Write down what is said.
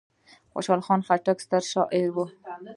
خوشحال خان خټک ستر شاعر و.